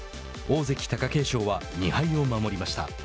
大関・貴景勝は２敗を守りました。